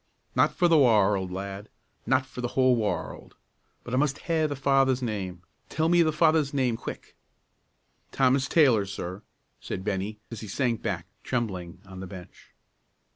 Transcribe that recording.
"Not for the warld, lad; not for the whole warld. But I must ha' the father's name; tell me the father's name, quick!" "Thomas Taylor, sir," said Bennie, as he sank back, trembling, on the bench.